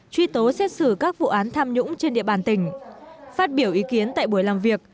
truy tố xét xử các vụ án tham nhũng trên địa bàn tỉnh phát biểu ý kiến tại buổi làm việc